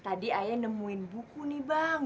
tadi ayah nemuin buku nih bang